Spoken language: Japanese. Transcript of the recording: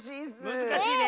むずかしいね。